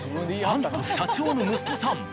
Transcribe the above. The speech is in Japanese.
なんと社長の息子さん。